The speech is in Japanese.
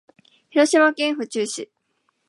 広島県府中市